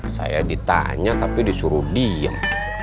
saya ditanya tapi disuruh diam